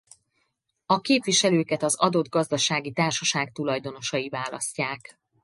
A képviselőket az adott gazdasági társaság tulajdonosai választják.